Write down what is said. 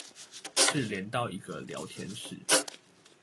是連到一個聊天室